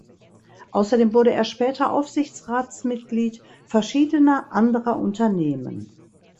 Außerdem wurde er später Aufsichtsratsmitglied verschiedener anderer Unternehmen.